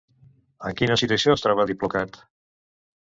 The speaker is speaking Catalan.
En quina situació es troba Diplocat?